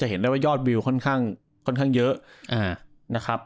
เห็นได้ว่ายอดวิวค่อนข้างเยอะนะครับ